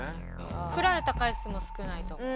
フラれた回数も少ないと思う。